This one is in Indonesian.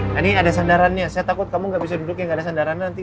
nah ini ada sandarannya saya takut kamu ga bisa duduknya ga ada sandarannya nanti